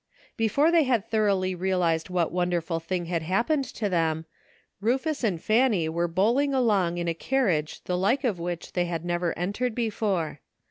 Before they had thoroughly realized what wonderful thing had happened to them, Rufus and Fanny were bowling along in a carriage the like of which they had never entered before.